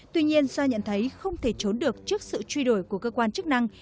tuy nhiên do nhận thấy không thể trốn được trước sự truy đổi của cơ quan chức năng